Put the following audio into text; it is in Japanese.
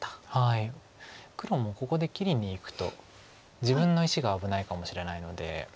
黒もここで切りにいくと自分の石が危ないかもしれないので。